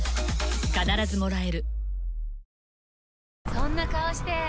そんな顔して！